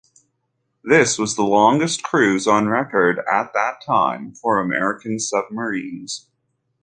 This was the longest cruise on record, at that time, for American submarines.